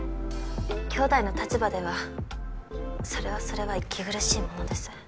きょうだいの立場ではそれはそれは息苦しいものです。